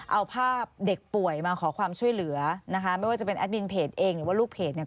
เอาภาพเด็กป่วยมาขอความช่วยเหลือนะคะไม่ว่าจะเป็นแอดมินเพจเองหรือว่าลูกเพจเนี่ย